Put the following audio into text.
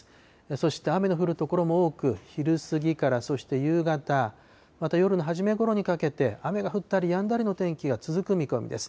そして雨の降る所も多く、昼過ぎからそして夕方、また夜の初めごろにかけて、雨が降ったりやんだりの天気が続く見込みです。